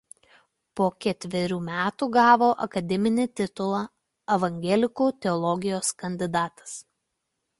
Po ketverių metų gavo akademinį titulą „Evangelikų teologijos kandidatas“.